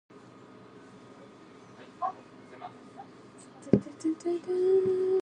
The Capitals' inaugural season was dreadful, even by expansion standards.